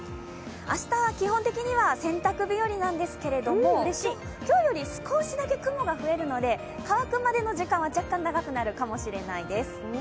明日は基本的には洗濯日和ですが今日より少しだけ雲が増えるので乾くまでの時間は若干長くなるかもしれないです。